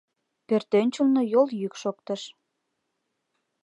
Пӧртӧнчылнӧ йол йӱк шоктыш.